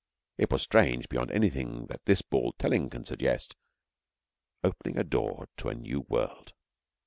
It was strange beyond anything that this bald telling can suggest opening a door into a new world.